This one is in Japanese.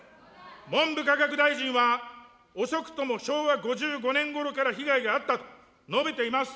文部科学大臣は遅くとも昭和５５年ごろから被害があったと述べています。